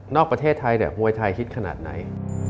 นอกประเทศไทยแต่มวยไทยฮิตขนาดไหน